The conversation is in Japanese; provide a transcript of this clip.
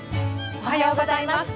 おはようございます。